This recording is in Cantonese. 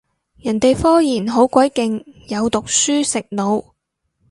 人哋科研好鬼勁，有讀書食腦